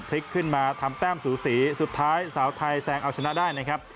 พลิกขึ้นมาทำแต้มสูสีสุดท้ายสาวไทยแซงเอาชนะได้นะครับ